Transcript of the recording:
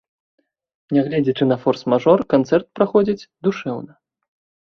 Нягледзячы на форс-мажор, канцэрт праходзіць душэўна.